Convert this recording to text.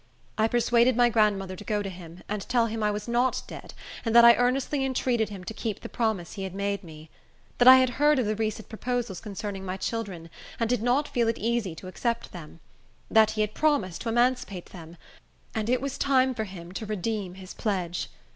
I persuaded my grandmother to go to him, and tell him I was not dead, and that I earnestly entreated him to keep the promise he had made me; that I had heard of the recent proposals concerning my children, and did not feel easy to accept them; that he had promised to emancipate them, and it was time for him to redeem his pledge.